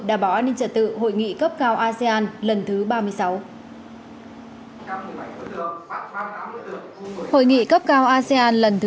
đảm bảo an ninh trật tự hội nghị cấp cao asean lần thứ ba mươi sáu